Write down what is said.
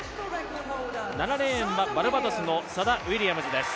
７レーンはバルバドスのサダ・ウィリアムズです。